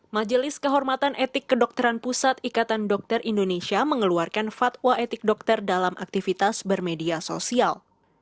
majelis kehormatan etik kedokteran pusat ikatan dokter indonesia mengeluarkan fatwa etik dokter dalam aktivitas bermedia sosial